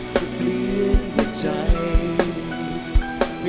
เธอเป็นโลกทำไมจะเปลี่ยนหัวใจ